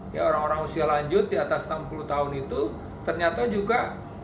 ya orang orang usia lanjut di atas enam puluh tahun itu ternyata juga